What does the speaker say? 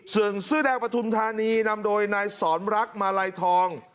ส่วนเสื้อแดงปฐุมธานีนำโดยนายสอนรักมาลัยทอง